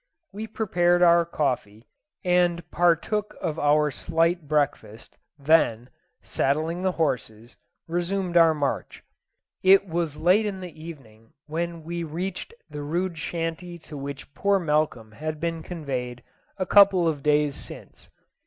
We prepared our coffee, and partook of our slight breakfast, then, saddling the horses, resumed our march. It was late in the evening when we reached the rude shanty to which poor Malcolm had been conveyed a couple of days since.